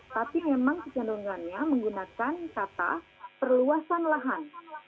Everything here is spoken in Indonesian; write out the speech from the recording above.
tapi memang kecenderungannya menggunakan kata perluasan lahan